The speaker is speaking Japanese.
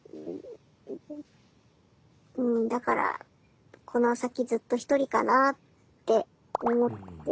うんだからこの先ずっと１人かなあって思って。